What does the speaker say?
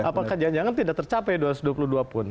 apakah jangan jangan tidak tercapai dua ratus dua puluh dua pun